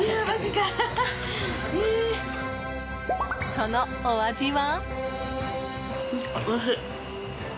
そのお味は？